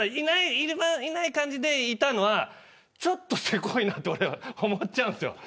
いない感じでいたというのはちょっとせこいなと思っちゃうんです。